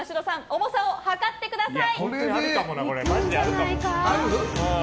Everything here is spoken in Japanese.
重さを量ってください。